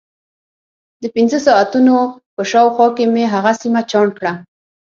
د پنځه ساعتونو په شاوخوا کې مې هغه سیمه چاڼ کړه.